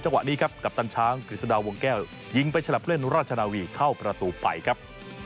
วะนี้ครับกัปตันช้างกฤษฎาวงแก้วยิงไปฉลับเล่นราชนาวีเข้าประตูไปครับ